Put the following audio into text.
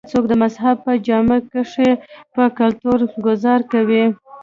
کۀ څوک د مذهب پۀ جامه کښې پۀ کلتور ګذار کوي